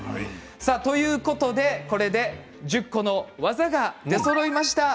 ということでこれで１０個の技が出そろいました。